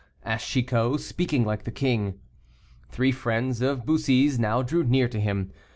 asked Chicot, speaking like the king. Three friends of Bussy's now drew near to him.